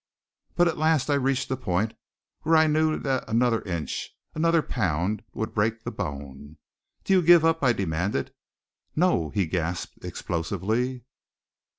But at last I reached the point where I knew that another inch, another pound, would break the bone. "Do you give up?" I demanded. "No!" he gasped explosively.